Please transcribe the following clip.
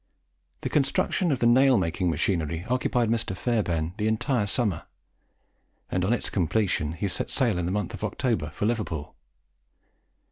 The construction of the nail making machinery occupied Mr. Fairbairn the entire summer; and on its completion he set sail in the month of October for Liverpool.